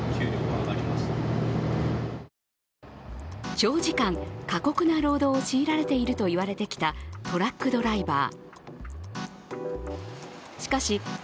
長時間・過酷な労働を強いられているといわれてきたトラックドライバー。